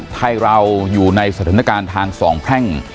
ไทยเราอยู่ในสถานการณ์ทางสองแพร่ง